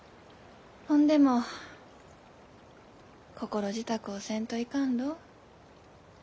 ほんでも心支度をせんといかんろう。